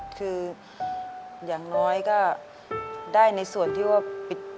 คืออย่างน้อยก็ได้ในส่วนที่ว่าปิด